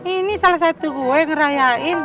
ini salah satu gue yang ngerayain